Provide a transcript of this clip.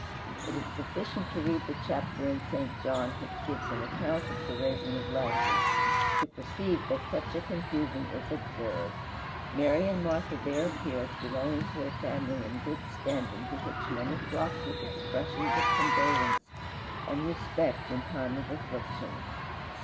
It is sufficient to read the chapter in St. John which gives an account of the raising of Lazarus, to perceive that such a confusion is absurd. Mary and Martha there appear as belonging to a family in good standing to which many flocked with expressions of condolence and respect in time of affliction.